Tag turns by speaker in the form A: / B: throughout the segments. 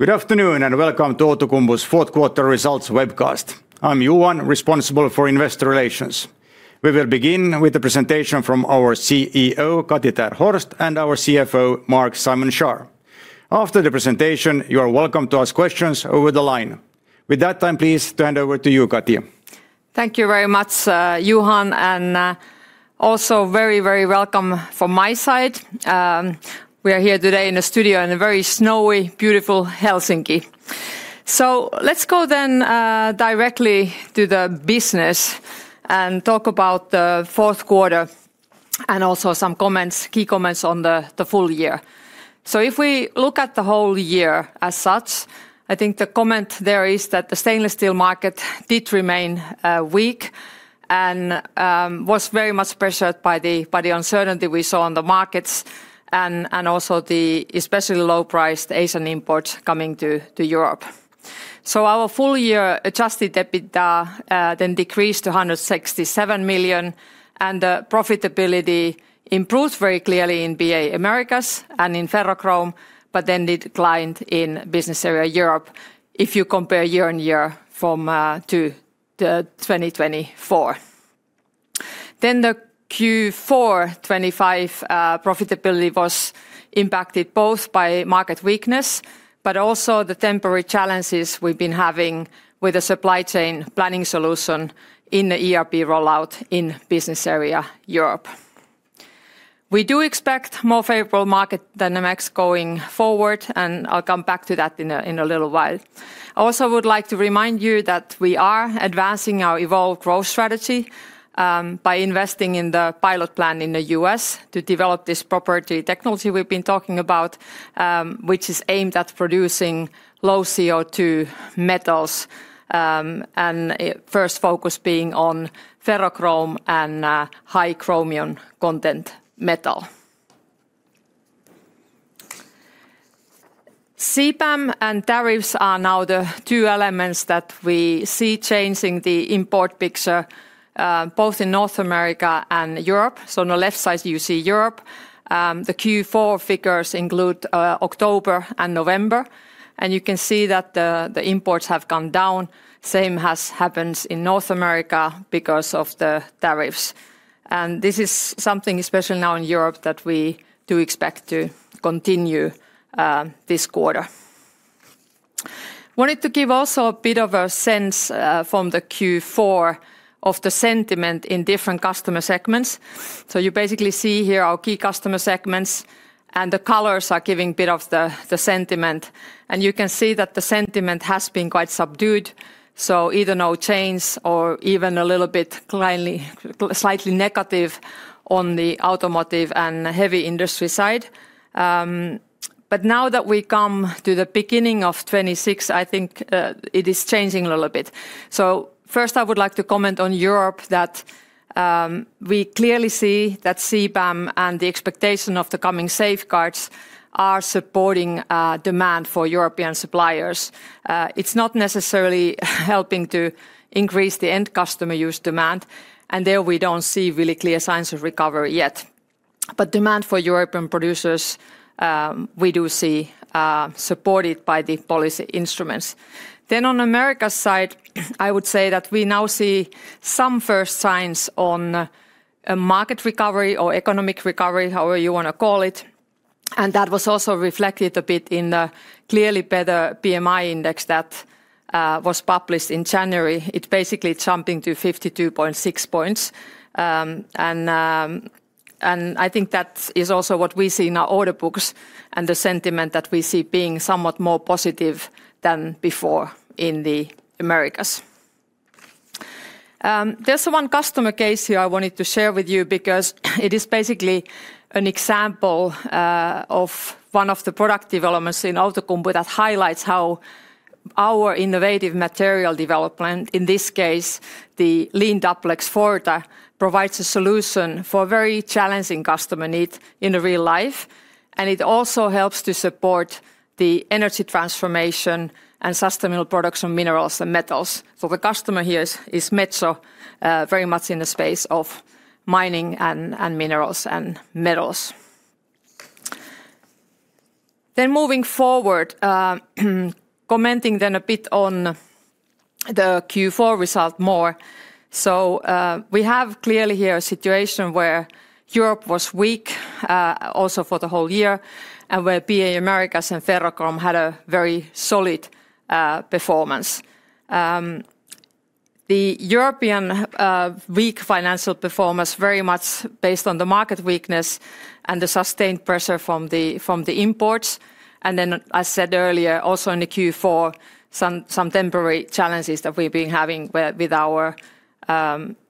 A: Good afternoon, and welcome to Outokumpu's fourth quarter results webcast. I'm Johan, responsible for investor relations. We will begin with a presentation from our CEO, Kati ter Horst, and our CFO, Marc-Simon Schaar. After the presentation, you are welcome to ask questions over the line. With that, I'm pleased to hand over to you, Kati.
B: Thank you very much, Johan, and also very, very welcome from my side. We are here today in the studio in a very snowy, beautiful Helsinki. So let's go then directly to the business and talk about the fourth quarter, and also some comments, key comments on the full year. So if we look at the whole year as such, I think the comment there is that the stainless steel market did remain weak, and was very much pressured by the uncertainty we saw on the markets, and also the especially low-priced Asian imports coming to Europe. Our full year Adjusted EBITDA then decreased to 167 million, and the profitability improved very clearly in BA Americas and in Ferrochrome, but then it declined in Business Area Europe if you compare year-on-year from to 2024. Then the Q4 2025 profitability was impacted both by market weakness, but also the temporary challenges we've been having with the supply chain planning solution in the ERP rollout in Business Area Europe. We do expect more favorable market dynamics going forward, and I'll come back to that in a little while. I also would like to remind you that we are advancing our evolved growth strategy, by investing in the pilot plant in the U.S. to develop this proprietary technology we've been talking about, which is aimed at producing low-CO2 metals, and its first focus being on ferrochrome and, high chromium content metal. CBAM and tariffs are now the two elements that we see changing the import picture, both in North America and Europe. So on the left side, you see Europe. The Q4 figures include, October and November, and you can see that the, the imports have come down. Same has happened in North America because of the tariffs. And this is something, especially now in Europe, that we do expect to continue, this quarter. Wanted to give also a bit of a sense from the Q4 of the sentiment in different customer segments. So you basically see here our key customer segments, and the colors are giving a bit of the, the sentiment, and you can see that the sentiment has been quite subdued, so either no change or even a little bit kind of slightly negative on the automotive and heavy industry side. But now that we come to the beginning of 2026, I think it is changing a little bit. So first, I would like to comment on Europe, that we clearly see that CBAM and the expectation of the coming safeguards are supporting demand for European suppliers. It's not necessarily helping to increase the end customer use demand, and there we don't see really clear signs of recovery yet. But demand for European producers, we do see supported by the policy instruments. Then on America's side, I would say that we now see some first signs on a market recovery or economic recovery, however you wanna call it, and that was also reflected a bit in the clearly better PMI index that was published in January. It basically jumping to 52.6 points. And I think that is also what we see in our order books and the sentiment that we see being somewhat more positive than before in the Americas. There's one customer case here I wanted to share with you because it is basically an example of one of the product developments in Outokumpu that highlights how our innovative material development, in this case, the Lean Duplex Forta, provides a solution for a very challenging customer need in real life, and it also helps to support the energy transformation and sustainable production minerals and metals. So the customer here is Metso, very much in the space of mining and minerals and metals. Then moving forward, commenting then a bit on the Q4 result more. So we have clearly here a situation where Europe was weak, also for the whole year, and where BA Americas and Ferrochrome had a very solid performance. The European weak financial performance very much based on the market weakness and the sustained pressure from the imports, and then as I said earlier, also in the Q4, some temporary challenges that we've been having with our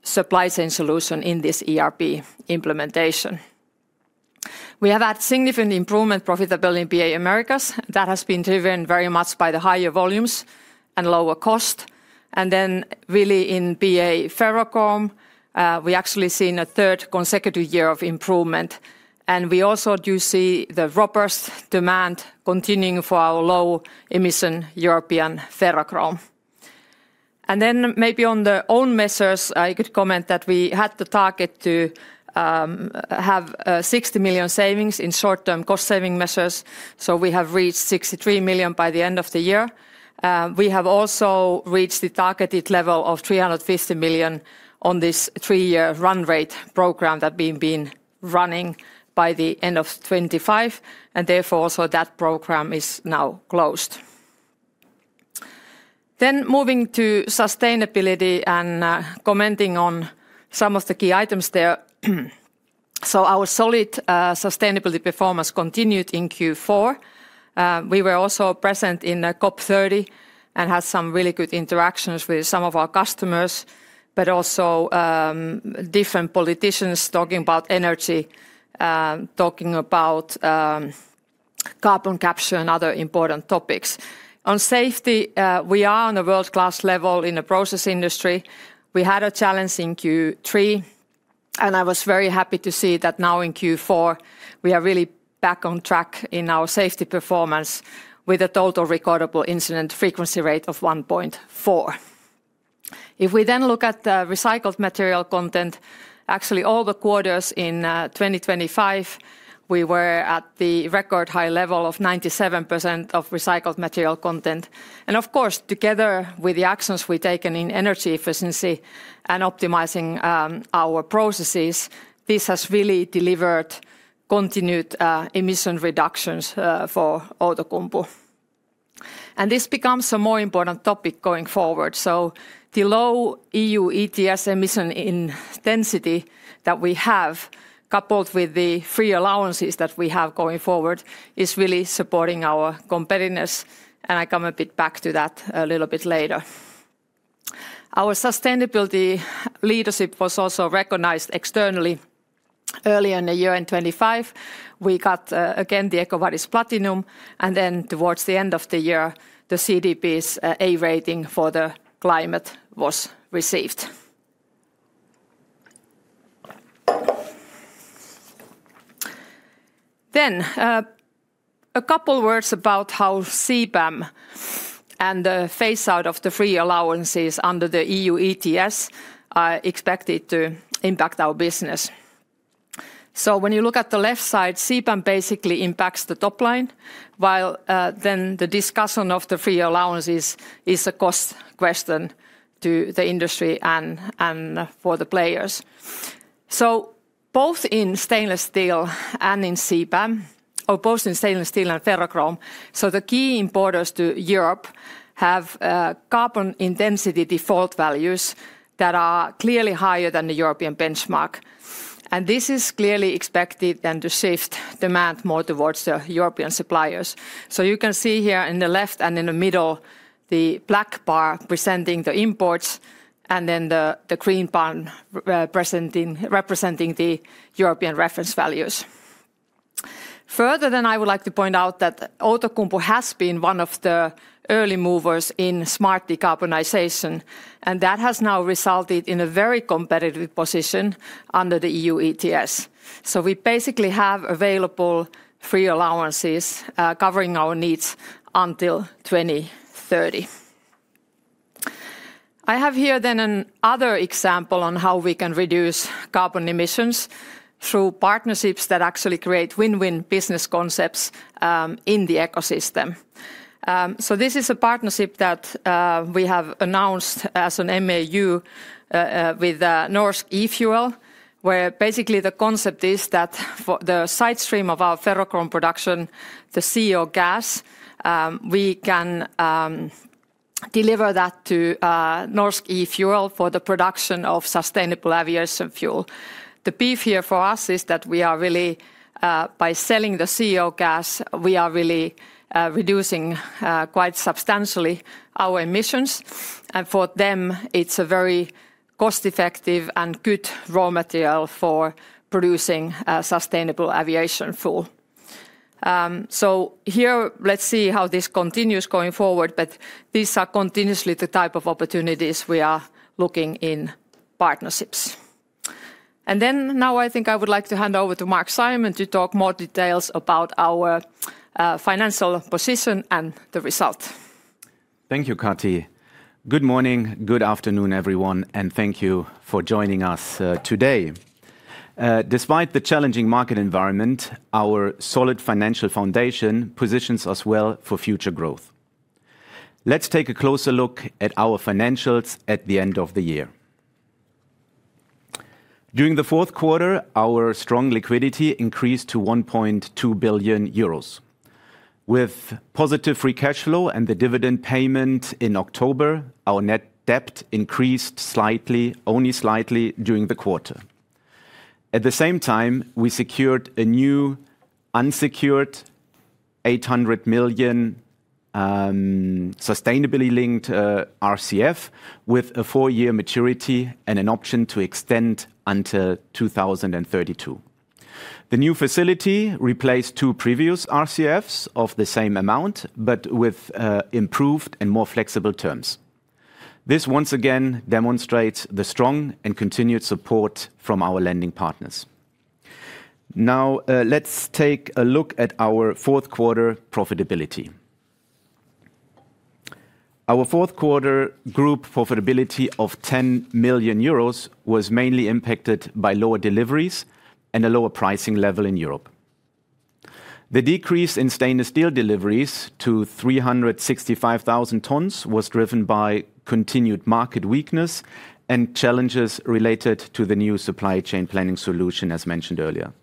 B: supply chain solution in this ERP implementation. We have had significant improvement profitability in BA Americas. That has been driven very much by the higher volumes and lower cost, and then really in BA Ferrochrome, we actually seen a third consecutive year of improvement, and we also do see the robust demand continuing for our low-emission European ferrochrome. And then maybe on the own measures, I could comment that we had the target to have 60 million savings in short-term cost saving measures, so we have reached 63 million by the end of the year. We have also reached the targeted level of 350 million on this three-year run rate program that we've been running by the end of 2025, and therefore, also that program is now closed. Then moving to sustainability and commenting on some of the key items there. Our solid sustainability performance continued in Q4. We were also present in COP30 and had some really good interactions with some of our customers, but also different politicians talking about energy, talking about carbon capture and other important topics. On safety, we are on a world-class level in the process industry. We had a challenge in Q3, and I was very happy to see that now in Q4, we are really back on track in our safety performance, with a total recordable incident frequency rate of 1.4. If we then look at the recycled material content, actually all the quarters in 2025, we were at the record high level of 97% of recycled material content. And of course, together with the actions we've taken in energy efficiency and optimizing our processes, this has really delivered continued emission reductions for Outokumpu. And this becomes a more important topic going forward. So the low EU ETS emission intensity that we have, coupled with the free allowances that we have going forward, is really supporting our competitiveness, and I come a bit back to that a little bit later. Our sustainability leadership was also recognized externally early in the year in 2025. We got again the EcoVadis Platinum, and then towards the end of the year, the CDP's A rating for the climate was received. Then, a couple words about how CBAM and the phase out of the free allowances under the EU ETS are expected to impact our business. So when you look at the left side, CBAM basically impacts the top line, while, then the discussion of the free allowances is a cost question to the industry and for the players. So both in stainless steel and in CBAM, or both in stainless steel and ferrochrome, so the key importers to Europe have carbon intensity default values that are clearly higher than the European benchmark. And this is clearly expected then to shift demand more towards the European suppliers. So you can see here in the left and in the middle, the black bar presenting the imports, and then the green bar representing the European reference values. Further, then I would like to point out that Outokumpu has been one of the early movers in smart decarbonization, and that has now resulted in a very competitive position under the EU ETS. So we basically have available free allowances, covering our needs until 2030. I have here then another example on how we can reduce carbon emissions through partnerships that actually create win-win business concepts, in the ecosystem. So this is a partnership that we have announced as an MOU with Norsk e-Fuel, where basically the concept is that for the side stream of our ferrochrome production, the CO gas, we can deliver that to Norsk e-Fuel for the production of sustainable aviation fuel. The benefit here for us is that we are really. By selling the CO gas, we are really reducing quite substantially our emissions. For them, it's a very cost-effective and good raw material for producing sustainable aviation fuel. So here, let's see how this continues going forward, but these are continuously the type of opportunities we are looking in partnerships. And then now I think I would like to hand over to Marc-Simon to talk more details about our financial position and the result.
C: Thank you, Kati. Good morning, good afternoon, everyone, and thank you for joining us today. Despite the challenging market environment, our solid financial foundation positions us well for future growth. Let's take a closer look at our financials at the end of the year. During the fourth quarter, our strong liquidity increased to 1.2 billion euros. With positive free cash flow and the dividend payment in October, our net debt increased slightly, only slightly, during the quarter. At the same time, we secured a new unsecured 800 million sustainability-linked RCF, with a four-year maturity and an option to extend until 2032. The new facility replaced two previous RCFs of the same amount, but with improved and more flexible terms. This once again demonstrates the strong and continued support from our lending partners. Now, let's take a look at our fourth quarter profitability. Our fourth quarter group profitability of 10 million euros was mainly impacted by lower deliveries and a lower pricing level in Europe. The decrease in stainless steel deliveries to 365,000 tons was driven by continued market weakness and challenges related to the new supply chain planning solution, as mentioned earlier.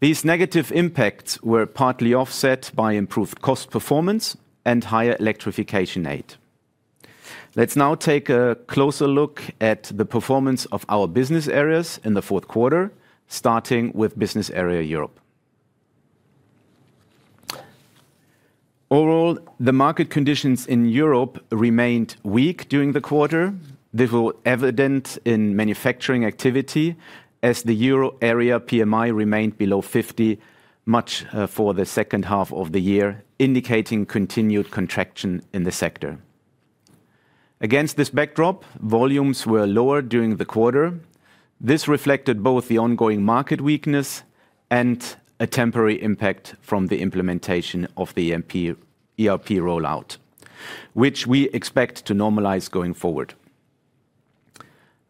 C: These negative impacts were partly offset by improved cost performance and higher electrification aid. Let's now take a closer look at the performance of our business areas in the fourth quarter, starting with Business Area Europe. Overall, the market conditions in Europe remained weak during the quarter. They were evident in manufacturing activity as the Euro area PMI remained below 50, much for the second half of the year, indicating continued contraction in the sector. Against this backdrop, volumes were lower during the quarter. This reflected both the ongoing market weakness and a temporary impact from the implementation of the ERP rollout, which we expect to normalize going forward.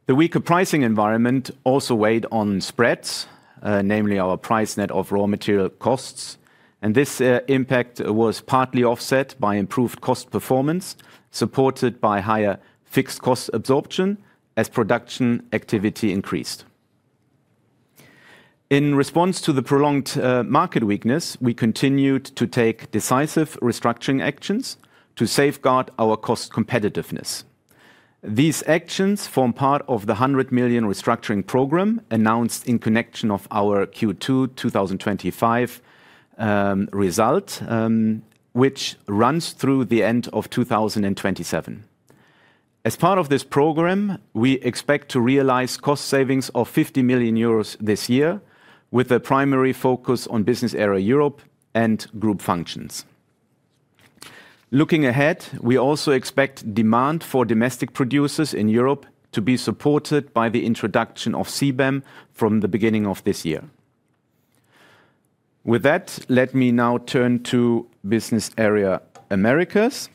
C: The weaker pricing environment also weighed on spreads, namely our price net of raw material costs, and this impact was partly offset by improved cost performance, supported by higher fixed cost absorption as production activity increased. In response to the prolonged market weakness, we continued to take decisive restructuring actions to safeguard our cost competitiveness. These actions form part of the 100 million restructuring program announced in connection of our Q2 2025 result, which runs through the end of 2027. As part of this program, we expect to realize cost savings of 50 million euros this year, with a primary focus on business area Europe and group functions. Looking ahead, we also expect demand for domestic producers in Europe to be supported by the introduction of CBAM from the beginning of this year. With that, let me now turn to Business Area Americas.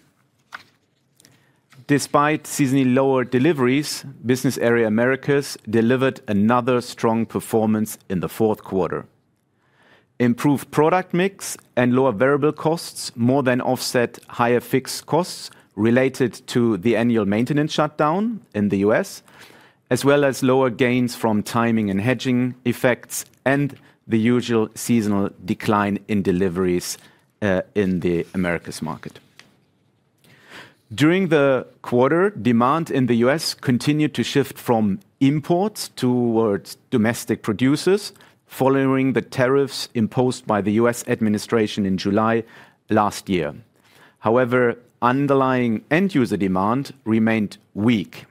C: Despite seeing lower deliveries, Business Area Americas delivered another strong performance in the fourth quarter. Improved product mix and lower variable costs more than offset higher fixed costs related to the annual maintenance shutdown in the U.S., as well as lower gains from timing and hedging effects and the usual seasonal decline in deliveries in the Americas market. During the quarter, demand in the U.S. continued to shift from imports towards domestic producers, following the tariffs imposed by the U.S. administration in July last year. However, underlying end user demand remained weak.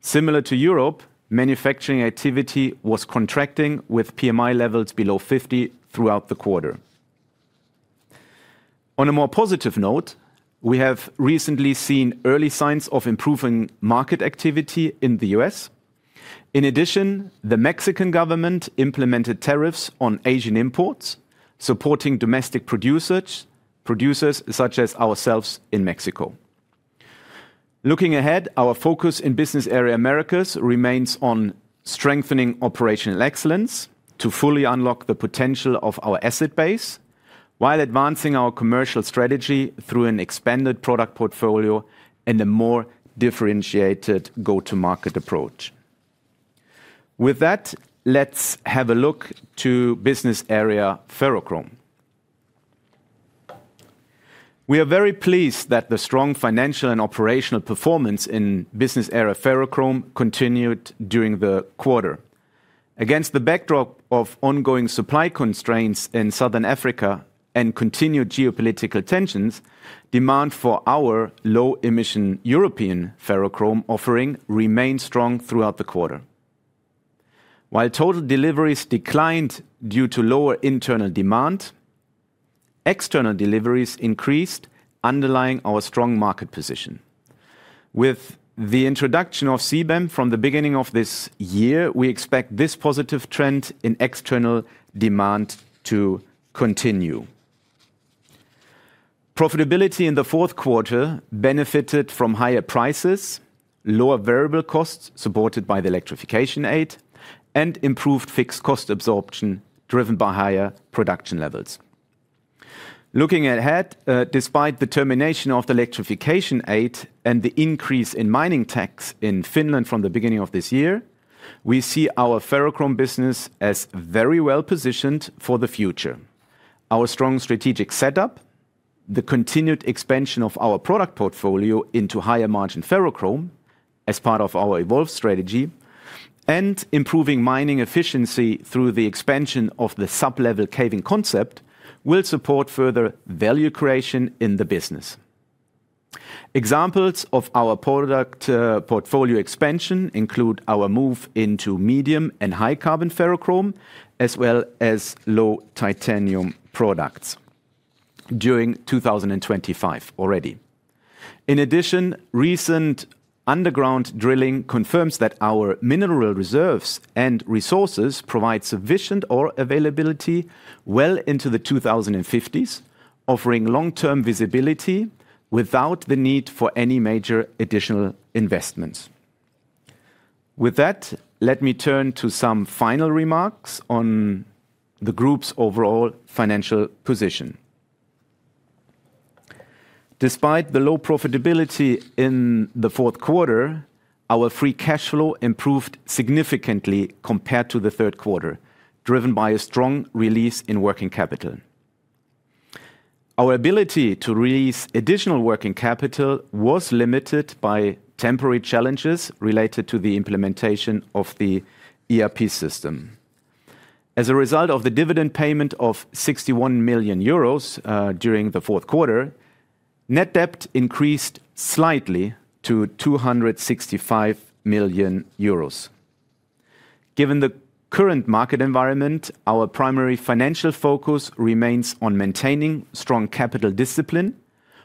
C: Similar to Europe, manufacturing activity was contracting, with PMI levels below 50 throughout the quarter. On a more positive note, we have recently seen early signs of improving market activity in the U.S. In addition, the Mexican government implemented tariffs on Asian imports, supporting domestic producers, producers such as ourselves in Mexico. Looking ahead, our focus in Business Area Americas remains on strengthening operational excellence to fully unlock the potential of our asset base, while advancing our commercial strategy through an expanded product portfolio and a more differentiated go-to-market approach. With that, let's have a look to Business Area Ferrochrome. We are very pleased that the strong financial and operational performance in Business Area Ferrochrome continued during the quarter. Against the backdrop of ongoing supply constraints in Southern Africa and continued geopolitical tensions, demand for our low-emission European ferrochrome offering remained strong throughout the quarter. While total deliveries declined due to lower internal demand, external deliveries increased, underlying our strong market position. With the introduction of CBAM from the beginning of this year, we expect this positive trend in external demand to continue. Profitability in the fourth quarter benefited from higher prices, lower variable costs, supported by the electrification aid, and improved fixed cost absorption, driven by higher production levels. Looking ahead, despite the termination of the electrification aid and the increase in mining tax in Finland from the beginning of this year, we see our ferrochrome business as very well-positioned for the future. Our strong strategic setup, the continued expansion of our product portfolio into higher-margin ferrochrome as part of our evolved strategy, and improving mining efficiency through the expansion of the sub-level caving concept, will support further value creation in the business. Examples of our product portfolio expansion include our move into medium and high carbon ferrochrome, as well as low titanium products. During 2025 already. In addition, recent underground drilling confirms that our mineral reserves and resources provide sufficient ore availability well into the 2050s, offering long-term visibility without the need for any major additional investments. With that, let me turn to some final remarks on the group's overall financial position. Despite the low profitability in the fourth quarter, our free cash flow improved significantly compared to the third quarter, driven by a strong release in working capital. Our ability to release additional working capital was limited by temporary challenges related to the implementation of the ERP system. As a result of the dividend payment of 61 million euros during the fourth quarter, net debt increased slightly to 265 million euros. Given the current market environment, our primary financial focus remains on maintaining strong capital discipline,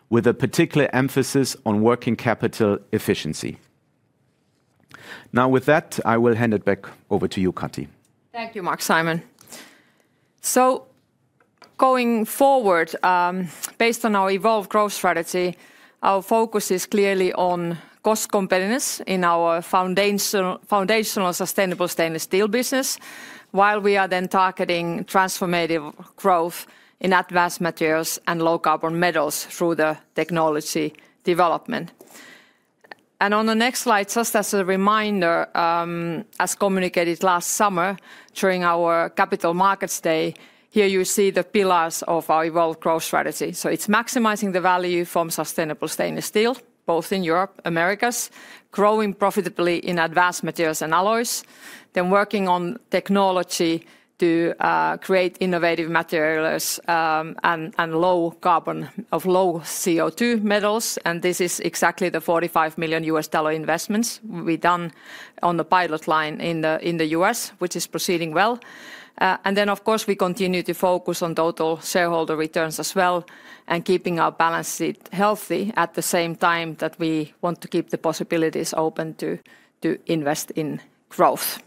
C: with a particular emphasis on working capital efficiency. Now, with that, I will hand it back over to you, Kati.
B: Thank you, Marc-Simon Schaar. So going forward, based on our evolved growth strategy, our focus is clearly on cost competitiveness in our foundational sustainable stainless steel business, while we are then targeting transformative growth in advanced materials and low carbon metals through the technology development. And on the next slide, just as a reminder, as communicated last summer during our Capital Markets Day, here you see the pillars of our evolved growth strategy. So it's maximizing the value from sustainable stainless steel, both in Europe, Americas, growing profitably in advanced materials and alloys, then working on technology to create innovative materials, and low carbon of low CO2 metals. And this is exactly the $45 million investments we've done on the pilot line in the U.S., which is proceeding well. And then, of course, we continue to focus on total shareholder returns as well, and keeping our balance sheet healthy at the same time that we want to keep the possibilities open to, to invest in growth.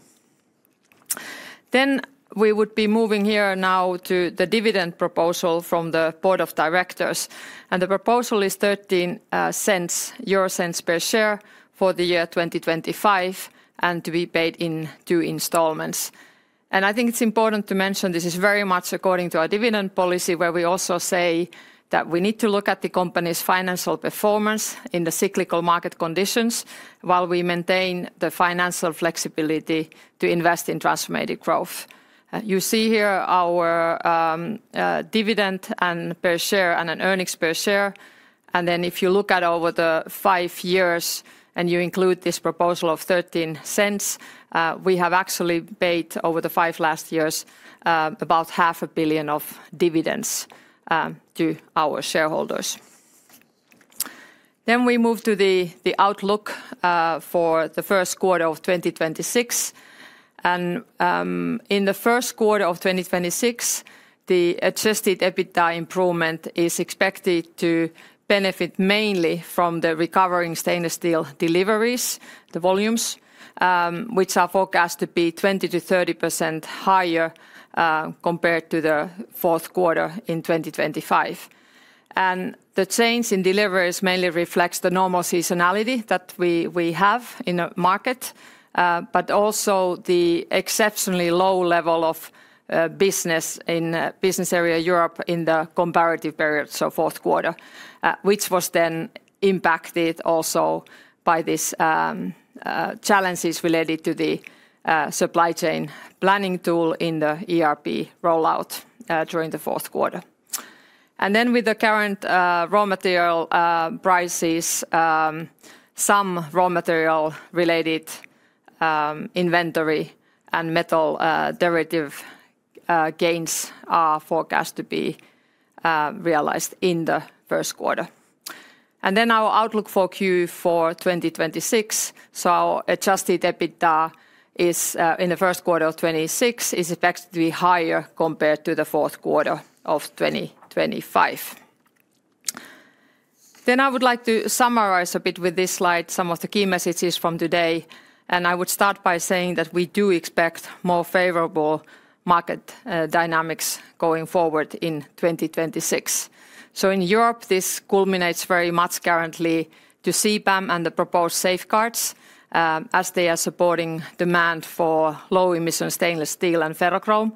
B: Then we would be moving here now to the dividend proposal from the board of directors, and the proposal is 0.13 per share for the year 2025, and to be paid in two installments. And I think it's important to mention, this is very much according to our dividend policy, where we also say that we need to look at the company's financial performance in the cyclical market conditions, while we maintain the financial flexibility to invest in transformative growth. you see here our dividend and per share and an earnings per share. Then if you look at over the five years and you include this proposal of 0.13, we have actually paid over the last five years about 500 million of dividends to our shareholders. Then we move to the outlook for the first quarter of 2026. In the first quarter of 2026, the Adjusted EBITDA improvement is expected to benefit mainly from the recovering stainless steel deliveries, the volumes, which are forecast to be 20%-30% higher compared to the fourth quarter in 2025. The change in deliveries mainly reflects the normal seasonality that we have in the market, but also the exceptionally low level of business in Business Area Europe in the comparative period, so fourth quarter. Which was then impacted also by this challenges related to the supply chain planning tool in the ERP rollout during the fourth quarter. And then with the current raw material prices, some raw material related inventory and metal derivative gains are forecast to be realized in the first quarter. And then our outlook for Q4 2026, so our adjusted EBITDA is in the first quarter of 2026, is expected to be higher compared to the fourth quarter of 2025. Then I would like to summarize a bit with this slide, some of the key messages from today, and I would start by saying that we do expect more favorable market dynamics going forward in 2026. So in Europe, this culminates very much currently to CBAM and the proposed safeguards, as they are supporting demand for low emission stainless steel and ferrochrome,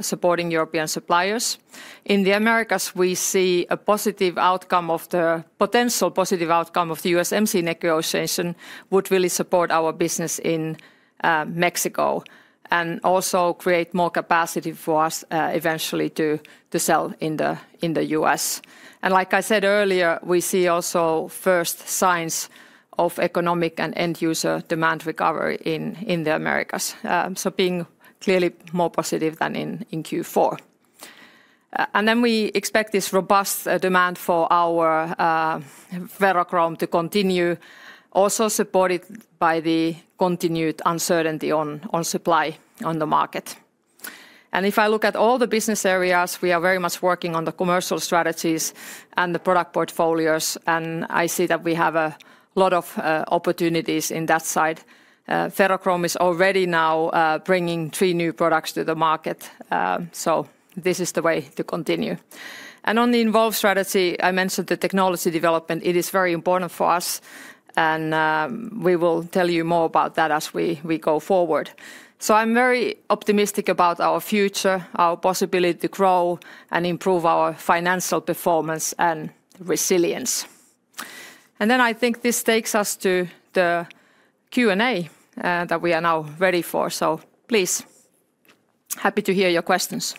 B: supporting European suppliers. In the Americas, we see a positive outcome of the potential positive outcome of the USMCA negotiation would really support our business in, Mexico, and also create more capacity for us, eventually to, to sell in the, in the US. And like I said earlier, we see also first signs of economic and end user demand recovery in, in the Americas, so being clearly more positive than in, in Q4. And then we expect this robust, demand for our, ferrochrome to continue, also supported by the continued uncertainty on, on supply on the market. And if I look at all the business areas, we are very much working on the commercial strategies and the product portfolios, and I see that we have a lot of opportunities in that side. Ferrochrome is already now bringing three new products to the market, so this is the way to continue. And on the Evolved strategy, I mentioned the technology development. It is very important for us, and we will tell you more about that as we go forward. So I'm very optimistic about our future, our possibility to grow and improve our financial performance and resilience. And then I think this takes us to the Q&A that we are now ready for. So please, happy to hear your questions.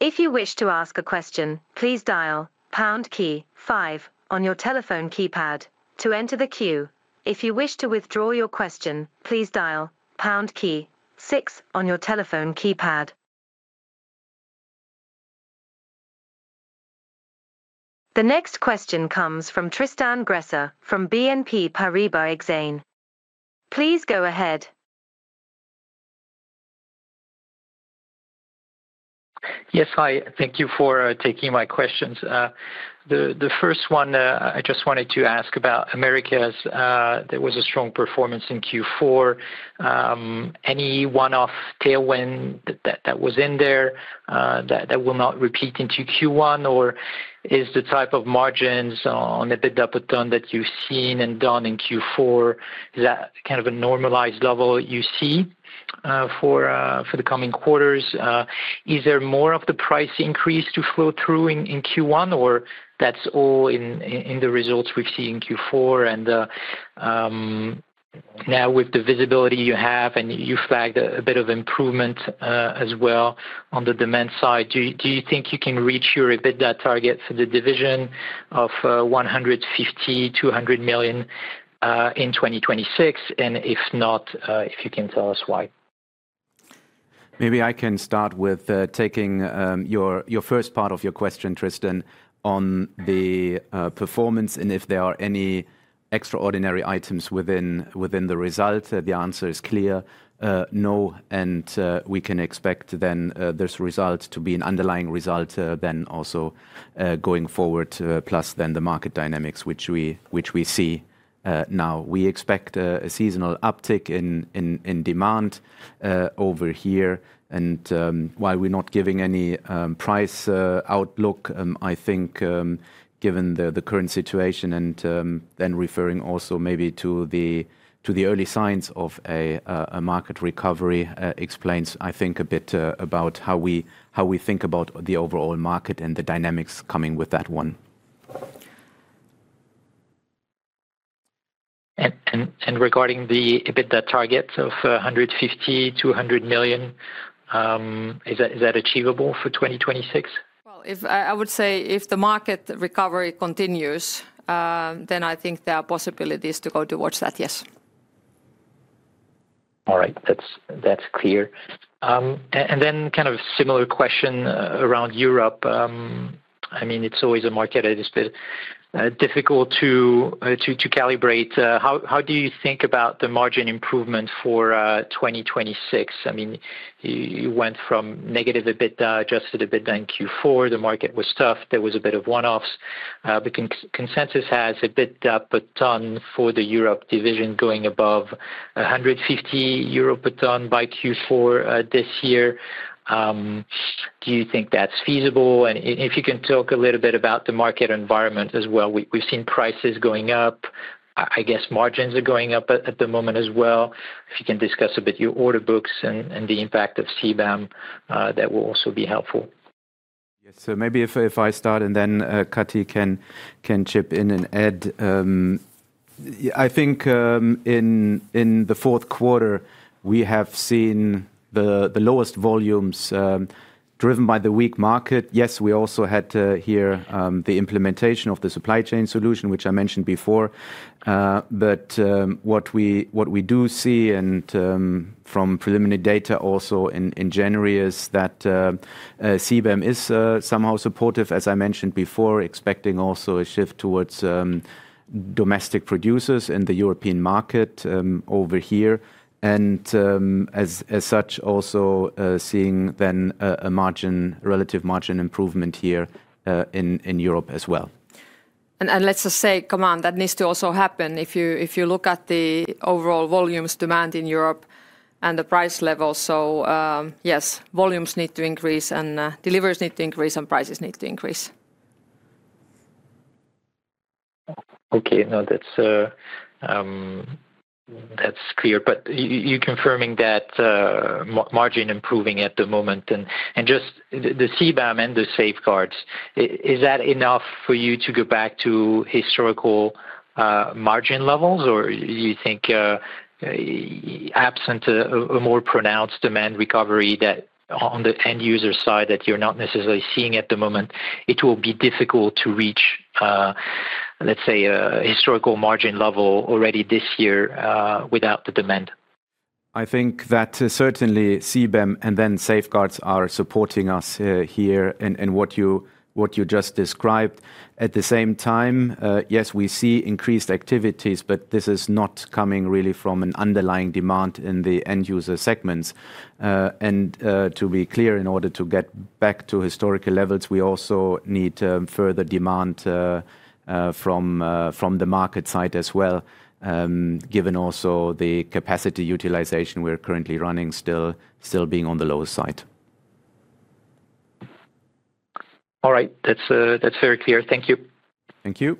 D: If you wish to ask a question, please dial pound key five on your telephone keypad to enter the queue. If you wish to withdraw your question, please dial pound key six on your telephone keypad. The next question comes from Tristan Gresser from BNP Paribas Exane. Please go ahead.
E: Yes, hi. Thank you for taking my questions. The first one, I just wanted to ask about Americas. There was a strong performance in Q4. Any one-off tailwind that was in there, that will not repeat into Q1? Or is the type of margins on EBITDA per ton that you've seen and done in Q4, is that kind of a normalized level you see for the coming quarters? Is there more of the price increase to flow through in Q1, or that's all in the results we've seen in Q4? Now with the visibility you have, and you flagged a bit of improvement as well on the demand side, do you think you can reach your EBITDA target for the division of 150 million-200 million in 2026? If not, if you can tell us why.
C: Maybe I can start with taking your first part of your question, Tristan, on the performance and if there are any extraordinary items within the result. The answer is clear, no, and we can expect then this result to be an underlying result then also going forward, plus then the market dynamics which we see now. We expect a seasonal uptick in demand over here. And while we're not giving any price outlook, I think given the current situation and then referring also maybe to the early signs of a market recovery explains, I think, a bit about how we think about the overall market and the dynamics coming with that one.
E: Regarding the EBITDA target of 150 million-200 million, is that, is that achievable for 2026?
B: Well, if I would say if the market recovery continues, then I think there are possibilities to go towards that, yes.
E: All right. That's, that's clear. And then kind of a similar question around Europe. I mean, it's always a market that is a bit difficult to calibrate. How do you think about the margin improvement for 2026? I mean, you went from negative EBITDA, adjusted EBITDA in Q4. The market was tough. There was a bit of one-offs, but consensus has EBITDA per ton for the Europe division going above 150 euro per ton by Q4 this year. Do you think that's feasible? And if you can talk a little bit about the market environment as well. We've seen prices going up. I guess margins are going up at the moment as well. If you can discuss a bit your order books and the impact of CBAM, that will also be helpful.
C: Yes. So maybe if I start, and then Kati can chip in and add. I think in the fourth quarter, we have seen the lowest volumes driven by the weak market. Yes, we also had here the implementation of the supply chain solution, which I mentioned before. But what we do see and from preliminary data also in January, is that CBAM is somehow supportive, as I mentioned before, expecting also a shift towards domestic producers in the European market over here. And as such, also seeing then a relative margin improvement here in Europe as well.
B: Let's just say, come on, that needs to also happen if you look at the overall volumes demand in Europe and the price level. So, yes, volumes need to increase and deliveries need to increase and prices need to increase.
E: Okay. No, that's clear. But you confirming that margin improving at the moment? And just the CBAM and the safeguards, is that enough for you to go back to historical margin levels? Or you think, absent a more pronounced demand recovery that on the end user side that you're not necessarily seeing at the moment, it will be difficult to reach, let's say, a historical margin level already this year, without the demand?
C: I think that certainly CBAM, and then safeguards are supporting us here in what you just described. At the same time, yes, we see increased activities, but this is not coming really from an underlying demand in the end user segments. To be clear, in order to get back to historical levels, we also need further demand from the market side as well, given also the capacity utilization we're currently running still being on the lower side.
E: All right. That's, that's very clear. Thank you.
C: Thank you.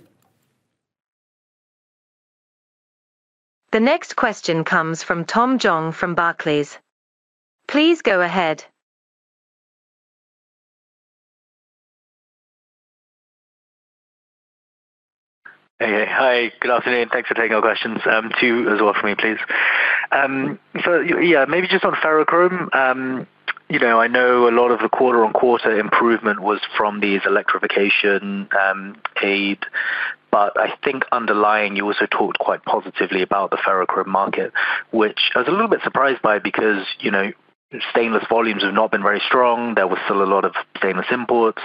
D: The next question comes from Tom Zhang from Barclays. Please go ahead.
F: Hey. Hi, good afternoon. Thanks for taking our questions. Two as well for me, please. So yeah, maybe just on ferrochrome. You know, I know a lot of the quarter-on-quarter improvement was from these electrification aid, but I think underlying, you also talked quite positively about the ferrochrome market, which I was a little bit surprised by because, you know, stainless volumes have not been very strong. There were still a lot of stainless imports.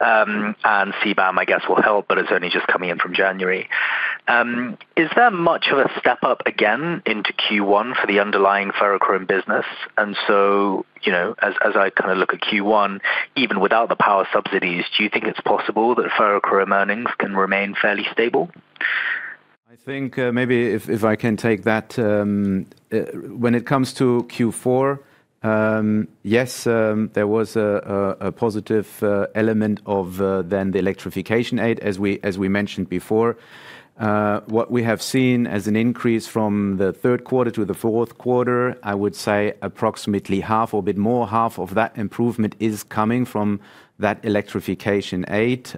F: And CBAM, I guess, will help, but it's only just coming in from January. Is there much of a step up again into Q1 for the underlying ferrochrome business? And so, you know, as I kind of look at Q1, even without the power subsidies, do you think it's possible that ferrochrome earnings can remain fairly stable?
C: I think, maybe if, if I can take that. When it comes to Q4, yes, there was a positive element of then the electrification aid, as we, as we mentioned before. What we have seen as an increase from the third quarter to the fourth quarter, I would say approximately half or a bit more, half of that improvement is coming from that electrification aid.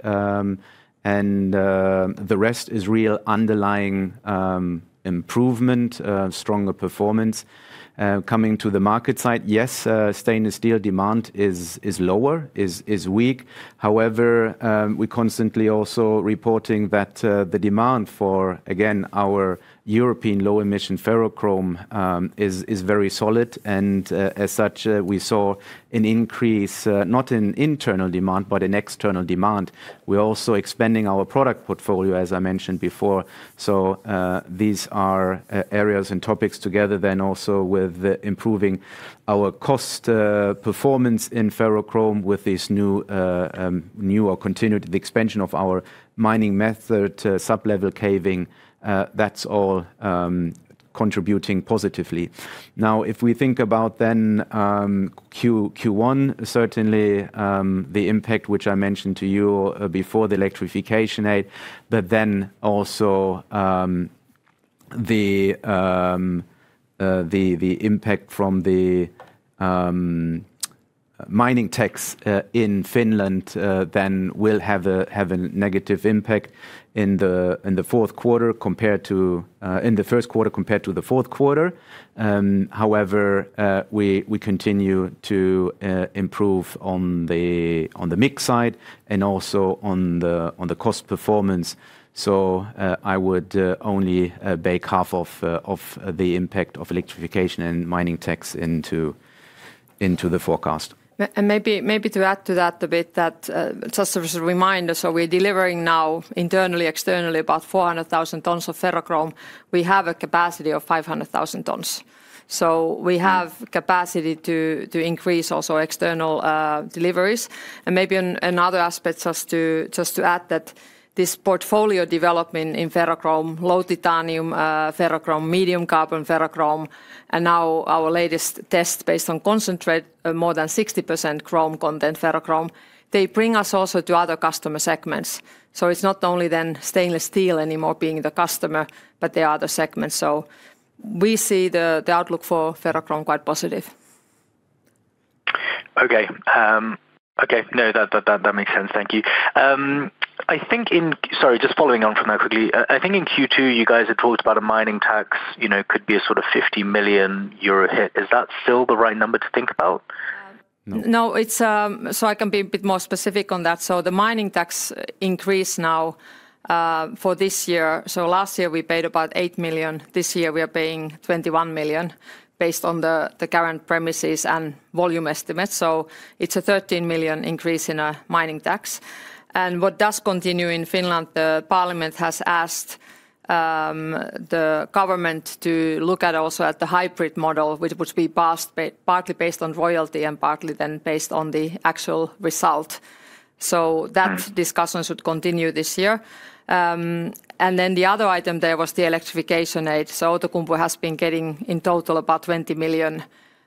C: And the rest is real underlying improvement, stronger performance. Coming to the market side, yes, stainless steel demand is lower, is weak. However, we constantly also reporting that the demand for, again, our European low emission ferrochrome is very solid. And as such, we saw an increase, not in internal demand, but in external demand. We're also expanding our product portfolio, as I mentioned before. So, these are areas and topics together then also with improving our cost performance in ferrochrome with this new or continued the expansion of our mining method to Sub-level caving. That's all contributing positively. Now, if we think about then Q1, certainly, the impact which I mentioned to you before the electrification aid, but then also the impact from the mining tax in Finland then will have a negative impact in the fourth quarter, compared to in the first quarter compared to the fourth quarter. However, we continue to improve on the mix side and also on the cost performance. I would only bake half of the impact of electrification and mining tax into the forecast.
B: And maybe to add to that a bit, just as a reminder, so we're delivering now internally, externally, about 400,000 tons of ferrochrome. We have a capacity of 500,000 tons. So we have capacity to increase also external deliveries. And maybe another aspect, just to add that this portfolio development in ferrochrome, low titanium ferrochrome, medium carbon ferrochrome, and now our latest test based on concentrate, more than 60% chrome content ferrochrome, they bring us also to other customer segments. So it's not only then stainless steel anymore being the customer, but the other segments. So we see the outlook for ferrochrome quite positive.
F: Okay. No, that makes sense. Thank you. Sorry, just following on from that quickly. I think in Q2, you guys had talked about a mining tax, you know, could be a sort of 50 million euro hit. Is that still the right number to think about?
B: No, it's so I can be a bit more specific on that. So the mining tax increase now, for this year, so last year we paid about 8 million. This year we are paying 21 million based on the current premises and volume estimates, so it's a 13 million increase in our mining tax. And what does continue in Finland, the parliament has asked the government to look at also at the hybrid model, which would be partly based on royalty and partly then based on the actual result. So that-
F: Mm....
B: discussion should continue this year. And then the other item there was the electrification aid. So Outokumpu has been getting, in total, about 20 million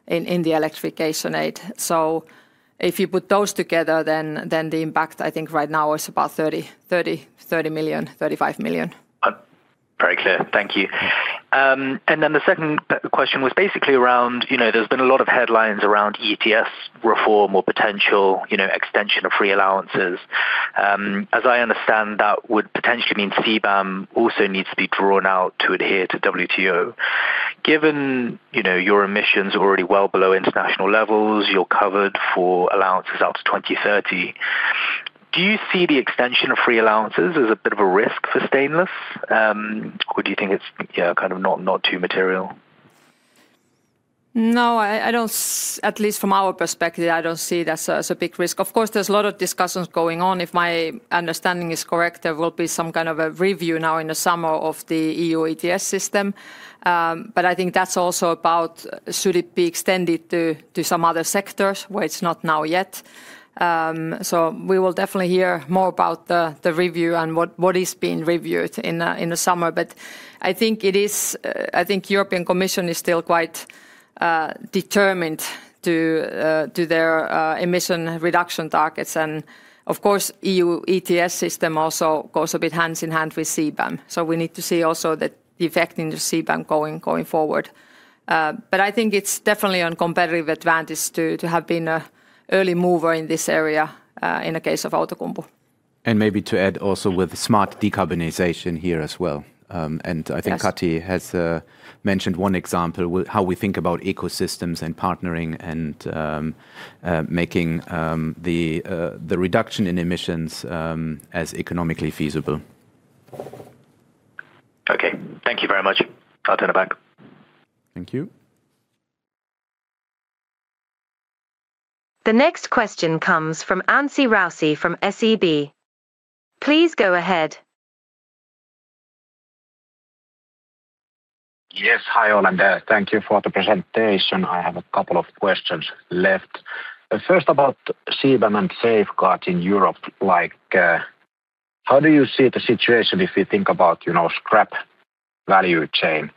B: in the electrification aid. So if you put those together, then the impact, I think right now, is about 30 million-35 million.
F: Very clear. Thank you. And then the second question was basically around, you know, there's been a lot of headlines around ETS reform or potential, you know, extension of free allowances. As I understand, that would potentially mean CBAM also needs to be drawn out to adhere to WTO. Given, you know, your emissions are already well below international levels, you're covered for allowances out to 2030. Do you see the extension of free allowances as a bit of a risk for stainless, or do you think it's, yeah, kind of not, not too material?
B: No, at least from our perspective, I don't see it as a big risk. Of course, there's a lot of discussions going on. If my understanding is correct, there will be some kind of a review now in the summer of the EU ETS system. But I think that's also about should it be extended to some other sectors where it's not now yet. So we will definitely hear more about the review and what is being reviewed in the summer. But I think it is. I think European Commission is still quite determined to their emission reduction targets. And of course, EU ETS system also goes a bit hand in hand with CBAM. So we need to see also the effect in the CBAM going forward. But I think it's definitely a competitive advantage to have been an early mover in this area, in the case of Outokumpu.
C: Maybe to add also with smart decarbonization here as well. I think-
B: Yes....
C: Kati has mentioned one example with how we think about ecosystems and partnering and making the reduction in emissions as economically feasible.
F: Okay, thank you very much. I'll turn it back.
C: Thank you.
D: The next question comes from Anssi Raussi from SEB. Please go ahead.
G: Yes, hi, all, and thank you for the presentation. I have a couple of questions left. First, about CBAM and safeguard in Europe, like, how do you see the situation if you think about, you know, scrap value chain?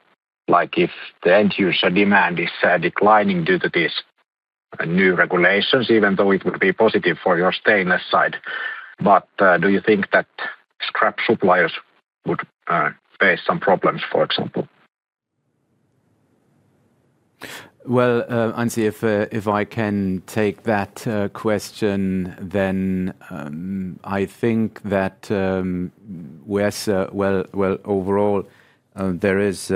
G: Like, if the end user demand is declining due to these new regulations, even though it will be positive for your stainless side, but, do you think that scrap suppliers would face some problems, for example?
C: Well, Anssi, if I can take that question, then I think that well, well, overall, there is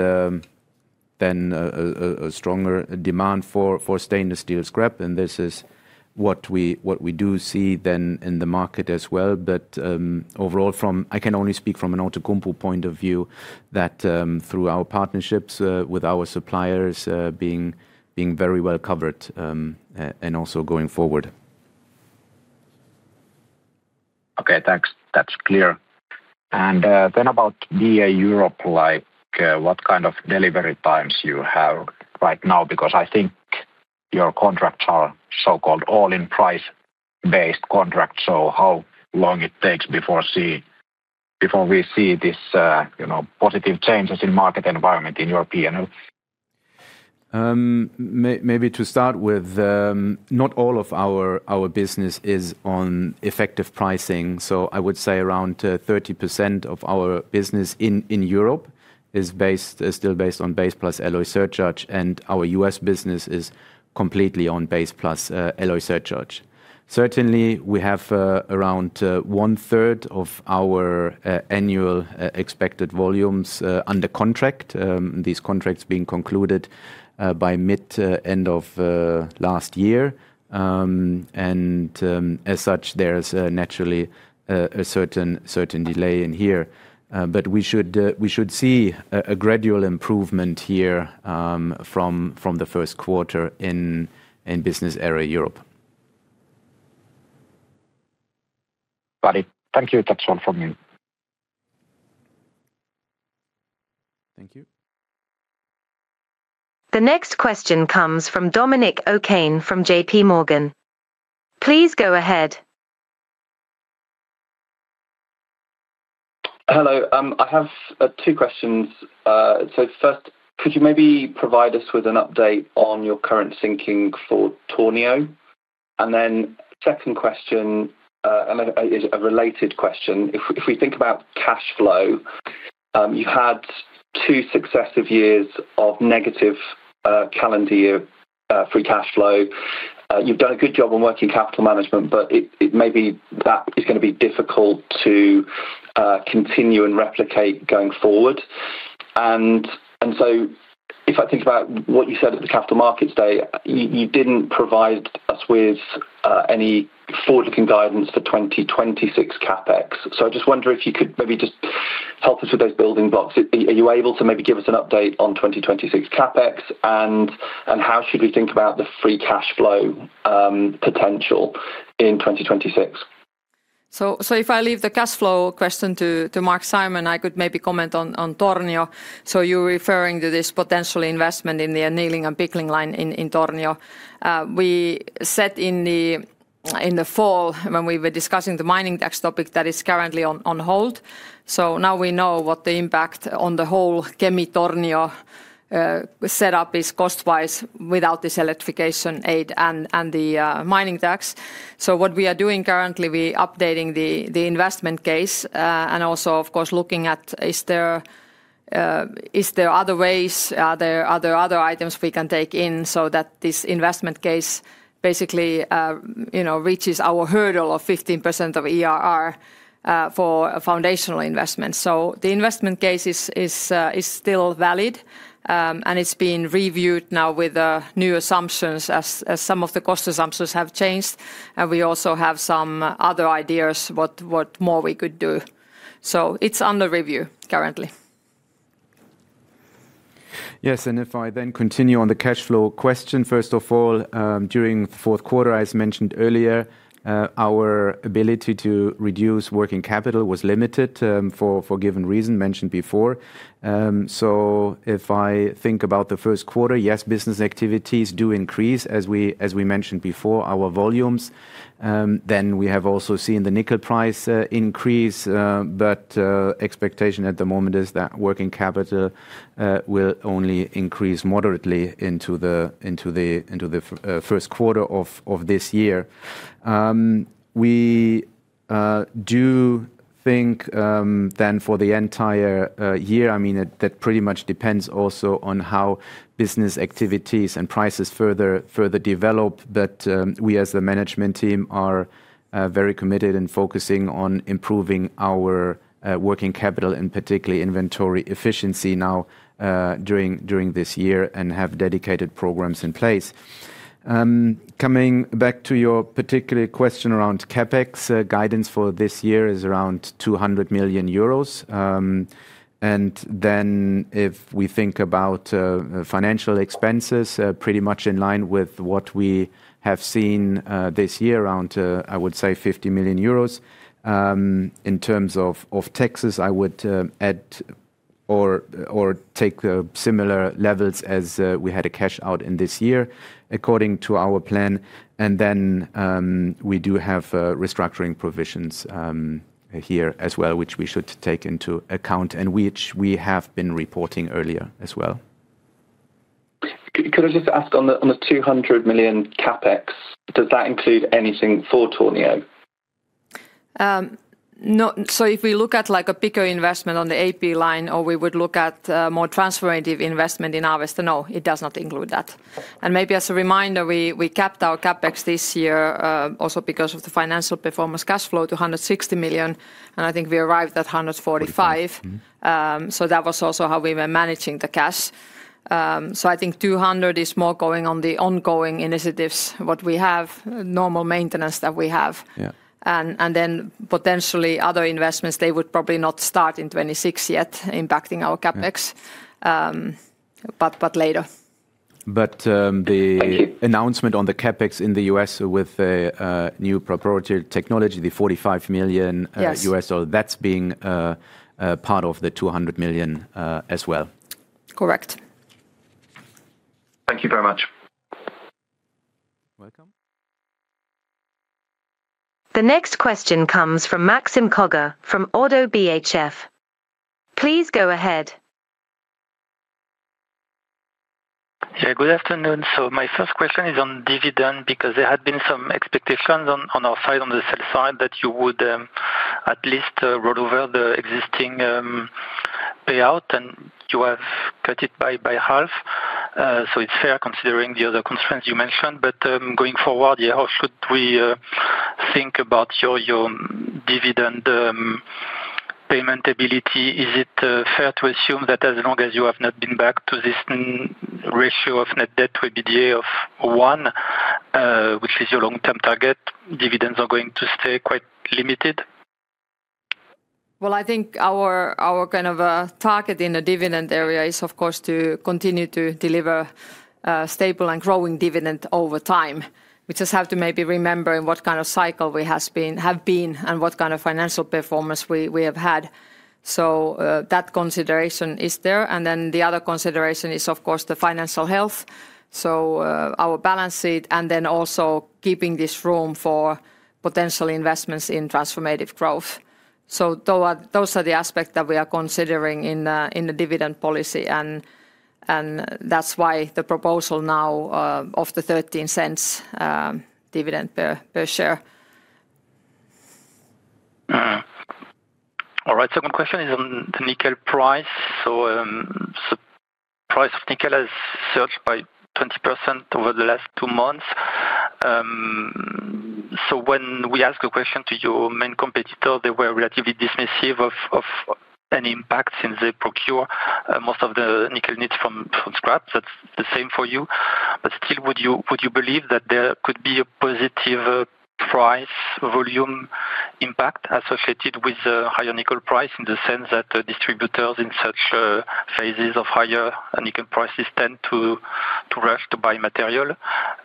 C: then a stronger demand for stainless steel scrap, and this is what we do see then in the market as well. But overall from... I can only speak from an Outokumpu point of view, that through our partnerships with our suppliers being very well covered, and also going forward.
G: Okay, thanks. That's clear. And, then about BA Europe, like, what kind of delivery times you have right now? Because I think your contracts are so-called all-in price-based contracts, so how long it takes before we see this, you know, positive changes in market environment in your P&L?
C: Maybe to start with, not all of our business is on effective pricing. So I would say around 30% of our business in Europe is still based on base plus alloy surcharge, and our U.S. business is completely on base plus alloy surcharge. Certainly, we have around one third of our annual expected volumes under contract, these contracts being concluded by mid to end of last year. And as such, there is naturally a certain delay in here. But we should see a gradual improvement here from the first quarter in Business Area Europe.
G: Got it. Thank you. That's all from me.
C: Thank you.
D: The next question comes from Dominic O'Kane from JPMorgan. Please go ahead.
H: Hello. I have two questions. So first, could you maybe provide us with an update on your current thinking for Tornio? And then second question, and is a related question. If we, if we think about cash flow, you had two successive years of negative calendar year free cash flow. You've done a good job on working capital management, but it, it may be that is gonna be difficult to continue and replicate going forward. And, and so if I think about what you said at the Capital Markets Day, you, you didn't provide us with any forward-looking guidance for 2026 CapEx. So I just wonder if you could maybe just help us with those building blocks. Are you able to maybe give us an update on 2026 CapEx, and how should we think about the free cash flow potential in 2026?
B: So if I leave the cash flow question to Marc-Simon, I could maybe comment on Tornio. So you're referring to this potential investment in the annealing and pickling line in Tornio. We said in the fall, when we were discussing the mining tax topic, that it's currently on hold. So now we know what the impact on the whole Kemi-Tornio setup is cost-wise without this electrification aid and the mining tax. So what we are doing currently, we are updating the investment case, and also, of course, looking at, is there other ways, are there other items we can take in so that this investment case basically, you know, reaches our hurdle of 15% IRR for foundational investment? So the investment case is still valid, and it's being reviewed now with new assumptions, as some of the cost assumptions have changed, and we also have some other ideas what more we could do. It's under review currently.
C: Yes, and if I then continue on the cash flow question, first of all, during the fourth quarter, as mentioned earlier, our ability to reduce working capital was limited, for a given reason mentioned before. So if I think about the first quarter, yes, business activities do increase. As we mentioned before, our volumes, then we have also seen the nickel price increase, but expectation at the moment is that working capital will only increase moderately into the first quarter of this year. We do think then for the entire year, I mean, that pretty much depends also on how business activities and prices further develop, but we as the management team are very committed and focusing on improving our working capital, and particularly inventory efficiency now during this year, and have dedicated programs in place. Coming back to your particular question around CapEx, guidance for this year is around 200 million euros. And then if we think about financial expenses, pretty much in line with what we have seen this year, around, I would say 50 million euros. In terms of taxes, I would add or take the similar levels as we had a cash out in this year, according to our plan. We do have restructuring provisions here as well, which we should take into account, and which we have been reporting earlier as well.
H: Could I just ask on the, on the 200 million CapEx, does that include anything for Tornio?
B: No. So if we look at, like, a bigger investment on the AP line, or we would look at more transformative investment in Avesta, no, it does not include that. And maybe as a reminder, we capped our CapEx this year, also because of the financial performance cash flow to 160 million, and I think we arrived at 145 million.
C: Mm-hmm.
B: That was also how we were managing the cash. I think 200 is more going on the ongoing initiatives, what we have, normal maintenance that we have.
C: Yeah.
B: Then potentially other investments, they would probably not start in 2026 yet, impacting our CapEx-
C: Mm....
B: but later.
C: But, the-
H: Thank you....
C: announcement on the CapEx in the U.S. with the new proprietary technology, the $45 million-
B: Yes....
C: U.S. dollar, that's being part of the $200 million, as well?
B: Correct.
H: Thank you very much.
C: Welcome.
D: The next question comes from Maxime Coghe from ODDO BHF. Please go ahead.
I: Yeah, good afternoon. So my first question is on dividend, because there had been some expectations on our side, on the sell side, that you would at least roll over the existing payout, and you have cut it by half. So it's fair, considering the other constraints you mentioned. But going forward, yeah, how should we think about your dividend payment ability? Is it fair to assume that as long as you have not been back to this ratio of net debt to EBITDA of one, which is your long-term target, dividends are going to stay quite limited?
B: Well, I think our kind of target in the dividend area is, of course, to continue to deliver stable and growing dividend over time. We just have to maybe remember in what kind of cycle we have been, and what kind of financial performance we have had. So, that consideration is there, and then the other consideration is, of course, the financial health, so, our balance sheet, and then also keeping this room for potential investments in transformative growth. So those are the aspects that we are considering in the dividend policy, and that's why the proposal now of the 0.13 dividend per share.
I: All right, second question is on the nickel price. So, so price of nickel has surged by 20% over the last two months. So when we ask a question to your main competitor, they were relatively dismissive of, of any impact, since they procure, most of the nickel needs from, from scrap. That's the same for you. But still, would you, would you believe that there could be a positive, price volume impact associated with a higher nickel price, in the sense that the distributors in such, phases of higher nickel prices tend to, to rush to buy material?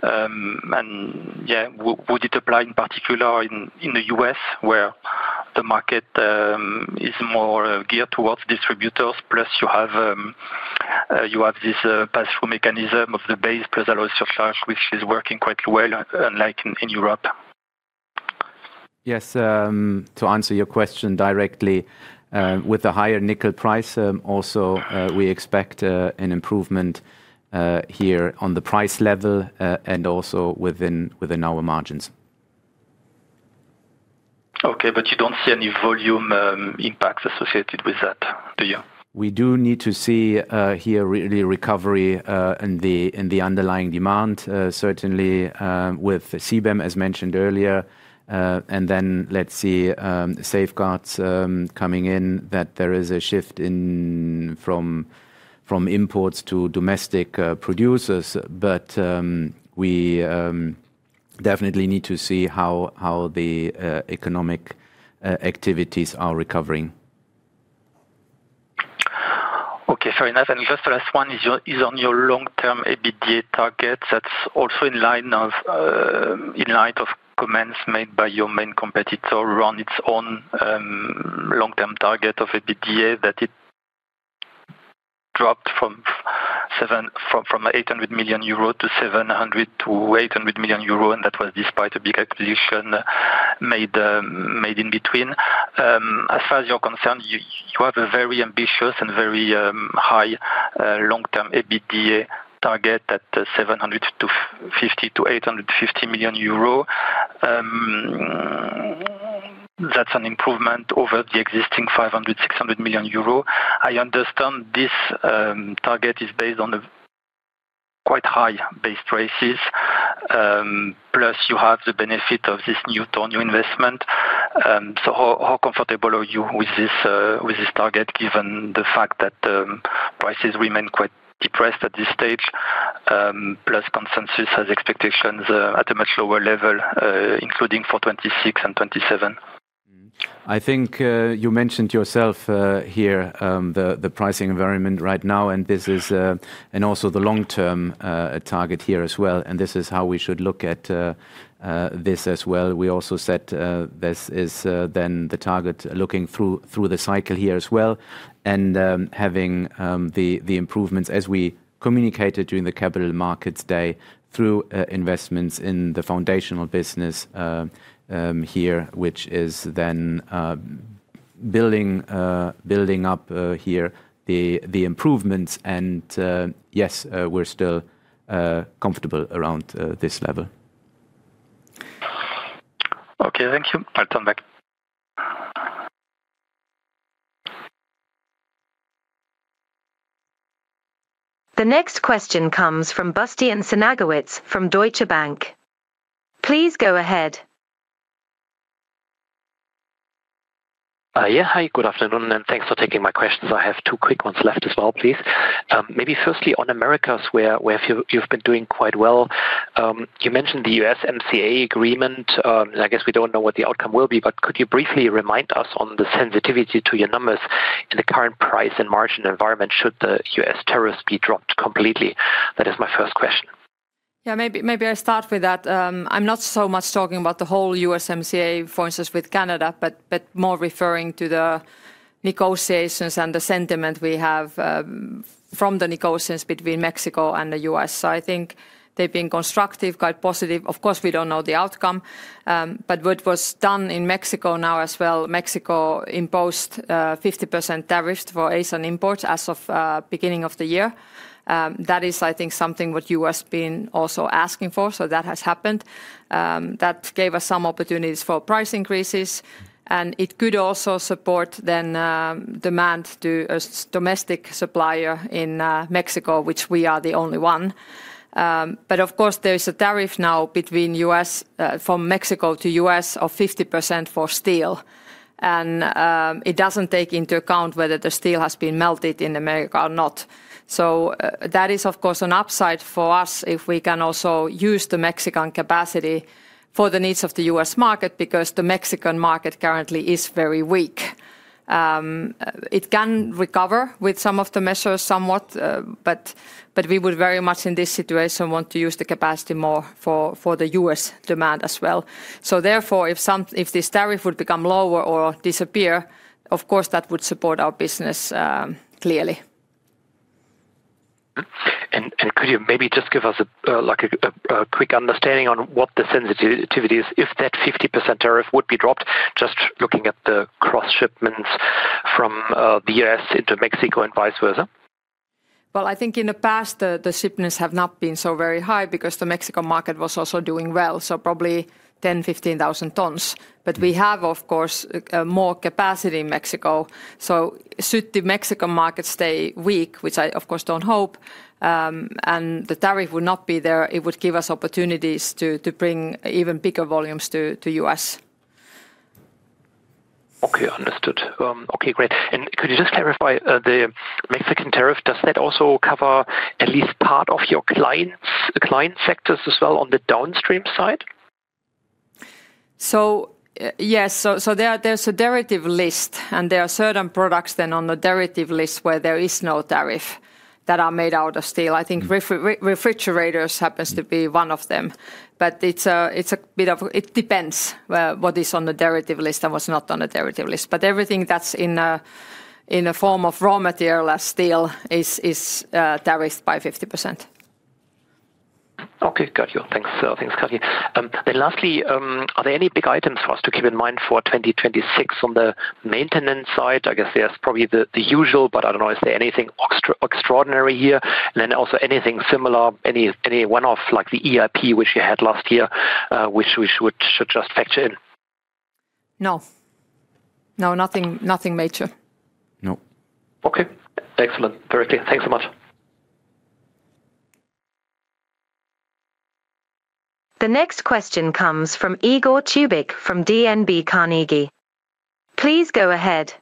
I: And, yeah, would it apply in particular in the U.S., where the market is more geared towards distributors, plus you have this pass-through mechanism of the base plus alloy surcharge, which is working quite well, unlike in Europe?
C: Yes, to answer your question directly, with the higher nickel price, also, we expect an improvement here on the price level, and also within, within our margins.
I: Okay, but you don't see any volume impacts associated with that, do you?
C: We do need to see here really recovery in the underlying demand certainly with CBAM, as mentioned earlier. And then let's see safeguards coming in, that there is a shift in from imports to domestic producers. But we definitely need to see how the economic activities are recovering.
I: Okay, fair enough. Just the last one is on your long-term EBITDA target. That's also in light of comments made by your main competitor around its own long-term target of EBITDA, that it dropped from 800 million euro to 700 million-800 million euro, and that was despite a big acquisition made in between. As far as you're concerned, you have a very ambitious and very high long-term EBITDA target at 750 million-850 million euro. That's an improvement over the existing 500 million-600 million euro. I understand this target is based on the quite high base prices, plus you have the benefit of this new ton, new investment. So how comfortable are you with this target, given the fact that prices remain quite depressed at this stage, plus consensus has expectations at a much lower level, including for 2026 and 2027?
C: I think you mentioned yourself here the pricing environment right now, and this is. And also the long-term target here as well, and this is how we should look at this as well. We also set this is then the target, looking through the cycle here as well, and having the improvements as we communicated during the Capital Markets Day through investments in the foundational business here, which is then building up here the improvements. And yes, we're still comfortable around this level.
I: Okay, thank you. I'll turn back.
D: The next question comes from Bastian Synagowitz from Deutsche Bank. Please go ahead.
J: Yeah. Hi, good afternoon, and thanks for taking my questions. I have two quick ones left as well, please. Maybe firstly, on Americas, where you've been doing quite well. You mentioned the USMCA agreement. I guess we don't know what the outcome will be, but could you briefly remind us on the sensitivity to your numbers in the current price and margin environment, should the U.S. tariffs be dropped completely? That is my first question.
B: Yeah, maybe, maybe I start with that. I'm not so much talking about the whole USMCA, for instance, with Canada, but, but more referring to the negotiations and the sentiment we have, from the negotiations between Mexico and the U.S. So I think they've been constructive, quite positive. Of course, we don't know the outcome, but what was done in Mexico now as well, Mexico imposed, 50% tariffs for Asian imports as of, beginning of the year. That is, I think, something what U.S. been also asking for, so that has happened. That gave us some opportunities for price increases, and it could also support then, demand to a domestic supplier in, Mexico, which we are the only one. But of course, there is a tariff now between U.S., from Mexico to U.S., of 50% for steel. And, it doesn't take into account whether the steel has been melted in America or not. So that is, of course, an upside for us, if we can also use the Mexican capacity for the needs of the U.S. market, because the Mexican market currently is very weak. It can recover with some of the measures somewhat, but we would very much in this situation want to use the capacity more for the U.S. demand as well. So therefore, if this tariff would become lower or disappear, of course, that would support our business, clearly.
J: Could you maybe just give us a like a quick understanding on what the sensitivity is if that 50% tariff would be dropped, just looking at the cross shipments from the U.S. into Mexico and vice versa?
B: Well, I think in the past the shipments have not been so very high because the Mexican market was also doing well, so probably 10-15,000 tons. But we have, of course, more capacity in Mexico, so should the Mexican market stay weak, which I of course don't hope, and the tariff would not be there, it would give us opportunities to bring even bigger volumes to the U.S.
J: Okay, understood. Okay, great. And could you just clarify, the Mexican tariff, does that also cover at least part of your clients, client sectors as well on the downstream side?
B: So, yes. So there, there's a derivative list, and there are certain products then on the derivative list where there is no tariff that are made out of steel. I think refrigerators happens to be one of them. But it's a bit of... It depends, what is on the derivative list and what's not on the derivative list. But everything that's in a form of raw material or steel is tariffed by 50%.
J: Okay. Got you. Thanks, thanks, Kati. Then lastly, are there any big items for us to keep in mind for 2026 on the maintenance side? I guess that's probably the usual, but I don't know, is there anything extraordinary here? And then also anything similar, any one-off, like the ERP, which you had last year, which we should just factor in?
B: No. No, nothing, nothing major.
C: No.
J: Okay, excellent. Perfect. Thanks so much.
D: The next question comes from Igor Tubic of DNB Carnegie. Please go ahead.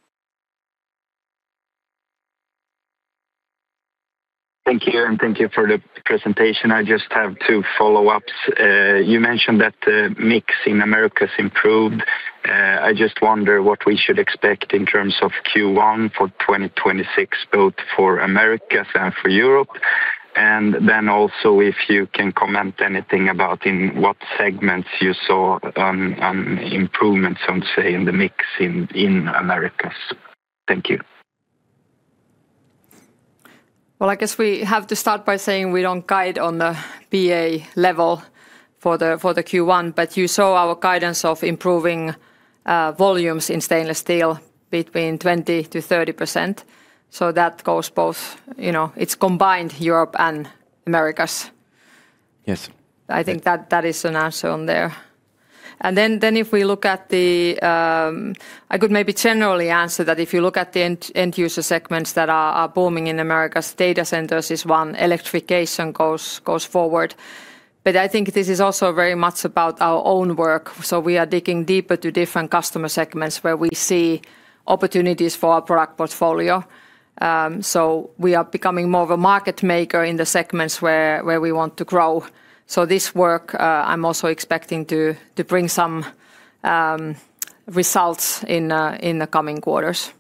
K: Thank you, and thank you for the presentation. I just have two follow-ups. You mentioned that the mix in Americas improved. I just wonder what we should expect in terms of Q1 for 2026, both for Americas and for Europe. And then also, if you can comment anything about in what segments you saw improvements, I would say, in the mix in Americas. Thank you.
B: Well, I guess we have to start by saying we don't guide on the BA level for the Q1, but you saw our guidance of improving volumes in stainless steel between 20%-30%. So that goes both... You know, it's combined Europe and Americas.
C: Yes.
B: I think that is an answer on there. And then if we look at the, I could maybe generally answer that if you look at the end-user segments that are booming in Americas, data centers is one, electrification goes forward. But I think this is also very much about our own work, so we are digging deeper to different customer segments where we see opportunities for our product portfolio. So we are becoming more of a market maker in the segments where we want to grow. So this work, I'm also expecting to bring some results in the coming quarters.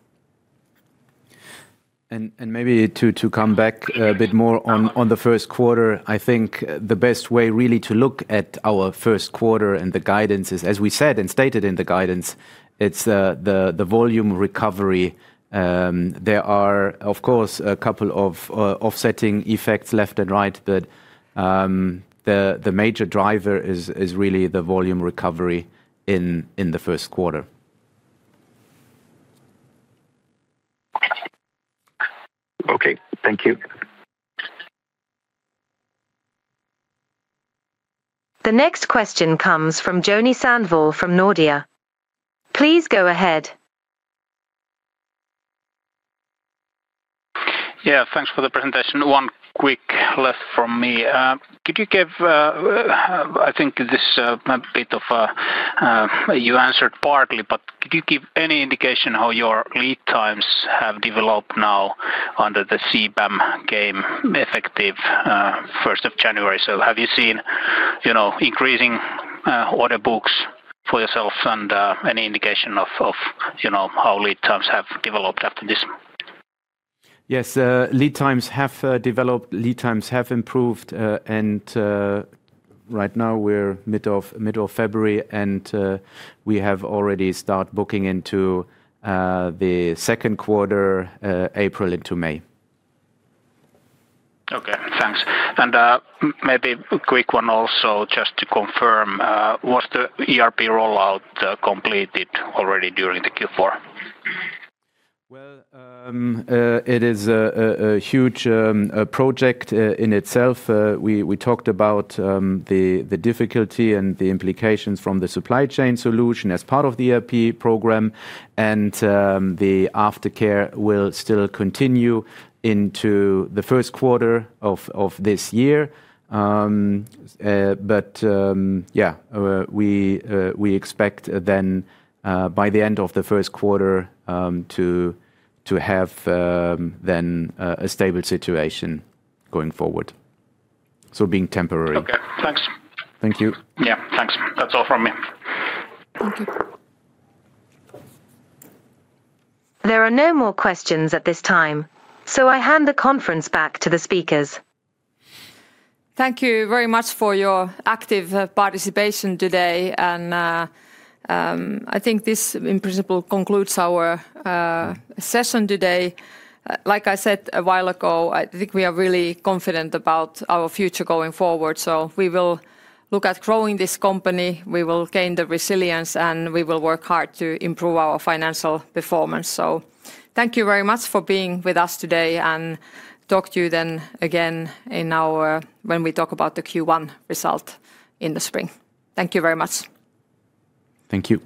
C: And maybe to come back a bit more on the first quarter, I think the best way really to look at our first quarter and the guidance is, as we said and stated in the guidance, it's the volume recovery. There are, of course, a couple of offsetting effects left and right, but the major driver is really the volume recovery in the first quarter.
K: Okay, thank you.
D: The next question comes from Joni Sandvall from Nordea. Please go ahead.
L: Yeah, thanks for the presentation. One quick question from me. Could you give... I think this, a bit of, you answered partly, but could you give any indication how your lead times have developed now under the CBAM regime, effective first of January? So have you seen, you know, increasing order books for yourselves and any indication of, of, you know, how lead times have developed after this?
C: Yes, lead times have developed. Lead times have improved. And right now we're middle of February, and we have already start booking into the second quarter, April into May.
L: Okay, thanks. And maybe a quick one also just to confirm, was the ERP rollout completed already during the Q4?
C: Well, it is a huge project in itself. We talked about the difficulty and the implications from the supply chain solution as part of the ERP program, and the aftercare will still continue into the first quarter of this year. But yeah, we expect then, by the end of the first quarter, to have then a stable situation going forward, so being temporary.
L: Okay, thanks.
C: Thank you.
L: Yeah, thanks. That's all from me.
B: Thank you.
D: There are no more questions at this time, so I hand the conference back to the speakers.
B: Thank you very much for your active participation today, and I think this in principle concludes our session today. Like I said a while ago, I think we are really confident about our future going forward. So we will look at growing this company, we will gain the resilience, and we will work hard to improve our financial performance. So thank you very much for being with us today, and talk to you then again in our, when we talk about the Q1 result in the spring. Thank you very much.
C: Thank you.